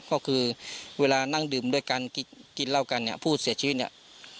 ก็คือเวลานั่งดื่มด้วยกันกินเหล้ากันเนี่ยผู้เสียชีวิตเนี่ย